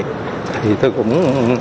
thì tôi cũng